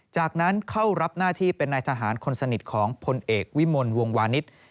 จากนั้นเข้ารับหน้าที่เป็นนายทหารคนสนิทของพลเอกวิมลวงวานิส